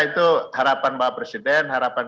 itu harapan bapak presiden harapan